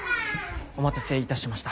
お待たせいたしました。